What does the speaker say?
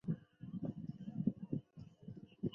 珊瑚藻在珊瑚礁的生态上有重要角色。